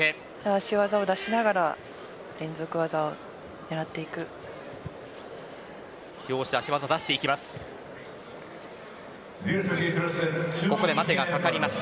足技を出しながら連続技を狙っていっています。